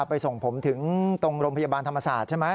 ไปส่งผมถึงตรงโรงพยาบาลธรรมศาสตร์ใช่ไหม